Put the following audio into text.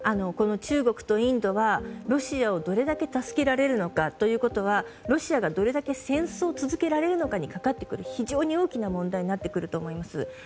中国とインドはロシアをどれだけ助けられるのかというのはロシアがどれだけ戦争を続けられるのかにかかってくる非常に大きな問題になってくると思います。